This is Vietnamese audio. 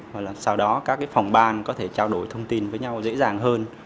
và sau đó các phòng ban có thể trao đổi thông tin với nhau dễ dàng hơn